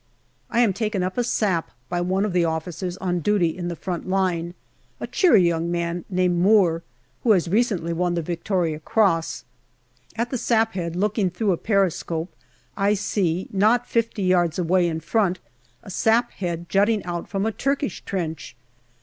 I am taken up a sap by one of the officers on duty in the front line, a cheery young man named Moore, who has recently won the V.C. At the sap head, looking through a periscope, I see not fifty yards away in front a sap head jutting out from a Turkish trench.